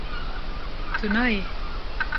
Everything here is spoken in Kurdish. Tu nayê